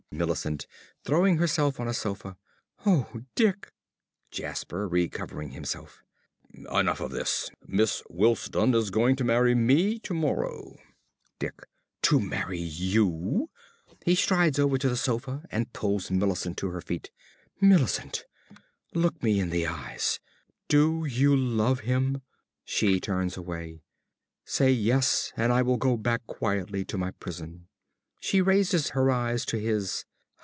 ~Millicent~ (throwing herself on a sofa). Oh, Dick! ~Jasper~ (recovering himself). Enough of this. Miss Wilsdon is going to marry me tomorrow. ~Dick.~ To marry you! (He strides over to sofa and pulls Millicent to her feet.) Millicent, look me in the eyes! Do you love him? (She turns away.) Say "Yes" and I will go back quietly to my prison. (_She raises her eyes to his.